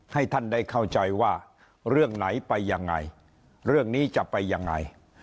ให้ท่านได้เข้าใจว่าเรื่องไหนไปยังไงเรื่องนี้จะไปยังไง